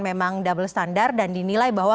memang double standard dan dinilai bahwa